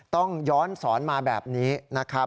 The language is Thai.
ต้องย้อนสอนมาแบบนี้นะครับ